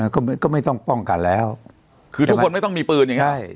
ก็ไม่ต้องป้องกันแล้วคือทุกคนไม่ต้องมีปืนอย่างนี้ใช่